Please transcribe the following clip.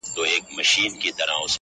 هم خوارځواکی هم ناروغه هم نېستمن وو!